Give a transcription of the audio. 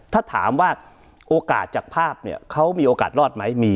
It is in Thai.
ถ้าถามว่าโอกาสจากภาพเนี่ยเขามีโอกาสรอดไหม